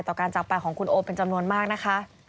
การจากไปของคุณโอเป็นจำนวนมากนะคะ